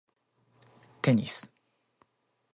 テニス